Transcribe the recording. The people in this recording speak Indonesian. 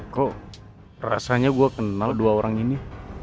kok rasanya gue kenal dua orang ini